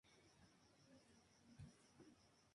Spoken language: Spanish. En este primer momento, la casa sólo tenía una vertiente.